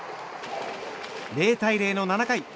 ０対０の７回。